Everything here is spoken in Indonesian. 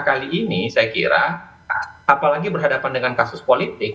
kali ini saya kira apalagi berhadapan dengan kasus politik